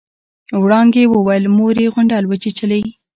وړانګې وويل مور يې غونډل وچېچلې.